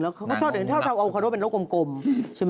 แล้วเขาถ้าเอาขอโทษเป็นโรคกลมใช่ไหม